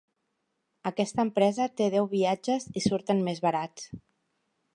Aquesta empresa té deu viatges i surten més barats.